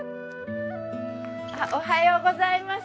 おはようございます。